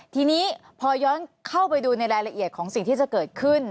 ทีนี้พอย้อนเข้าไปดูในรายละเอียดของสิ่งที่จะเกิดขึ้น